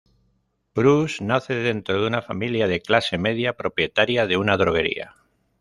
Proust nace dentro de una familia de clase media, propietaria de una droguería.